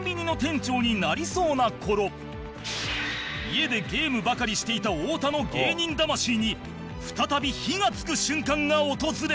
家でゲームばかりしていた太田の芸人魂に再び火がつく瞬間が訪れた